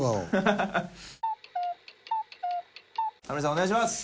お願いします。